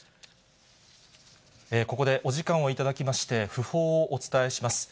ここでお時間を頂きまして、訃報をお伝えします。